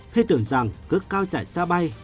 khi tưởng rằng cứ cao chạy xa bay